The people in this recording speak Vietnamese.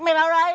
mày vào đây